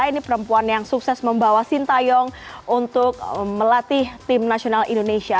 ini perempuan yang sukses membawa sintayong untuk melatih tim nasional indonesia